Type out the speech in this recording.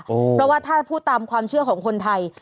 เพราะว่าถ้าพูดตามความเชื่อของคนไทย